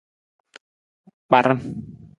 Kparan.